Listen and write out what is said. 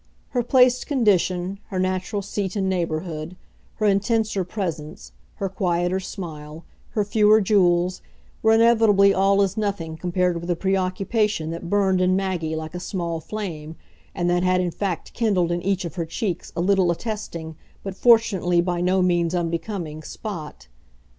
Her placed condition, her natural seat and neighbourhood, her intenser presence, her quieter smile, her fewer jewels, were inevitably all as nothing compared with the preoccupation that burned in Maggie like a small flame and that had in fact kindled in each of her cheeks a little attesting, but fortunately by no means unbecoming, spot.